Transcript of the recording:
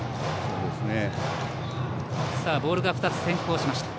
ボールが２つ先行しました。